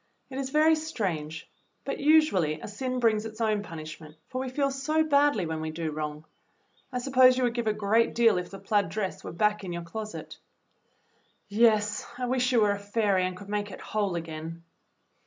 It is very strange, but usually a sin brings its own punishment, for we feel so badly when we do wrong. I suppose you would give a great deal if the plaid dress were back in your closet." "Yes, I wish you were a fairy and could make it whole again!"